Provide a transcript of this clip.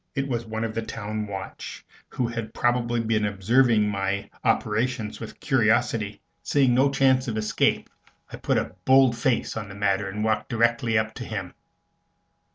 It was one of the town watch, who had probably been observing my operations with curiosity. Seeing no chance of escape, I put a bold face on the matter and walked directly up to him.